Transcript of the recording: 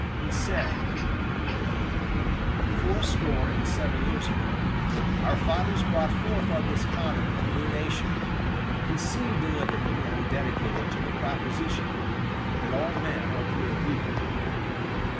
He said: "Fourscore and seven years ago our fathers brought forth on this continent a new nation, conceived in liberty and dedicated to the proposition that all men are created equal.